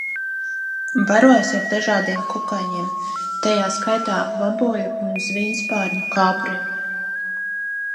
Barojas ar dažādiem kukaiņiem, tajā skaitā vaboļu un zvīņspārņu kāpuriem.